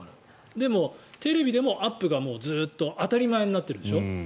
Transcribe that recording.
でも、テレビでもアップがずっと当たり前になっているでしょ。